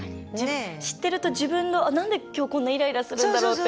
知ってると自分のなんできょうこんなイライラするんだろうって。